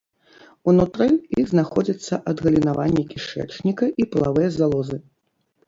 Унутры іх знаходзяцца адгалінаванні кішэчніка і палавыя залозы.